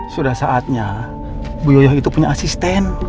sudah saatnya bu yoyah itu punya asisten